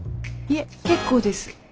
「いえ結構です」。